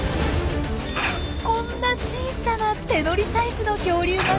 こんな小さな手乗りサイズの恐竜まで。